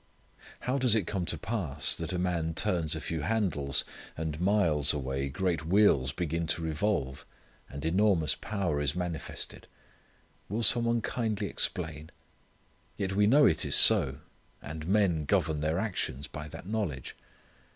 How does it come to pass that a man turns a few handles, and miles away great wheels begin to revolve, and enormous power is manifested? Will some one kindly explain? Yet we know it is so, and men govern their actions by that knowledge.